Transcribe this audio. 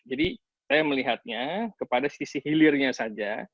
saya melihatnya kepada sisi hilirnya saja